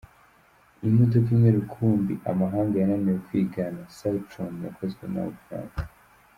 Imodoka imwe rukumbi amahanga yananiwe kwigana Citroen yakozwe n’u Bufaransa.